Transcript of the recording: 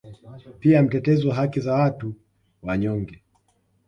Pia mtetezi wa haki za watu wanyonge